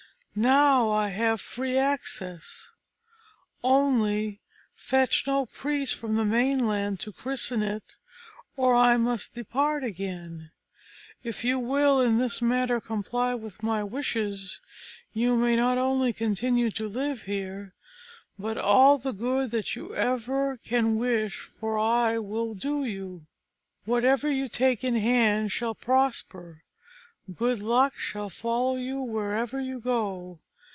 Now I have free access. Only fetch no priest from the mainland to christen it, or I must depart again. If you will in this matter comply with my wishes, you may not only continue to live here, but all the good that ever you can wish for I will do you. Whatever you take in hand shall prosper; good luck shall follow you wherever you go.